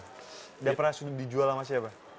sudah pernah dijual sama siapa